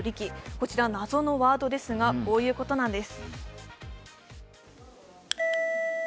こちら謎のワードですが、こういうことなんです。